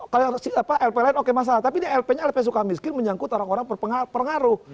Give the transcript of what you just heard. kalau lpr lain oke masalah tapi ini lprnya lpr suka miskin menyangkut orang orang berpengaruh